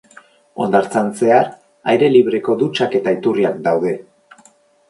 Hondartzan zehar, aire libreko dutxak eta iturriak daude.